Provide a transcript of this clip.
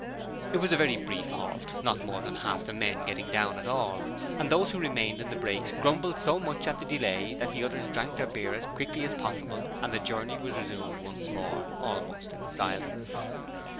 It was a very brief halt, not more than half the men getting down at all, and those who remained in the brakes grumbled so much at the delay that the others drank their beer as quickly as possible and the journey was resumed once more, almost in silence.